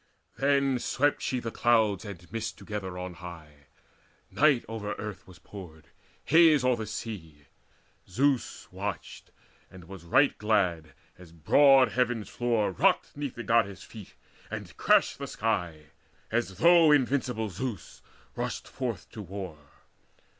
Then swept she clouds and mist together on high; Night over earth was poured, haze o'er the sea. Zeus watched, and was right glad as broad heaven's floor Rocked 'neath the Goddess's feet, and crashed the sky, As though invincible Zeus rushed forth to war.